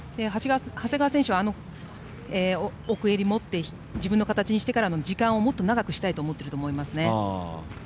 長谷川選手は奥襟を持って自分の形にしてから時間をもっと長くしたいと思ってると思います。